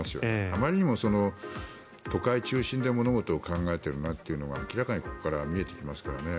あまりにも都会中心で物事を考えているなというのが明らかにここから見えてきますからね。